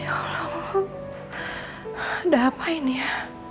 ya allah udah apa ini ya